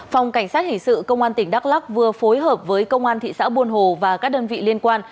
phòng cảnh sát hình sự công an tỉnh đắk lắc vừa phối hợp với công an thị xã buôn hồ và các đơn vị liên quan